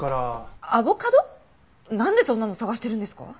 なんでそんなの探してるんですか？